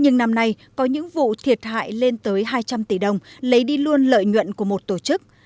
nhưng năm nay có những vụ thiệt hại lên tới hai trăm linh tỷ đồng lấy đi luôn lợi nhuận của một tổ chức